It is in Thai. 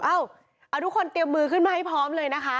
เอาทุกคนเตรียมมือขึ้นมาให้พร้อมเลยนะคะ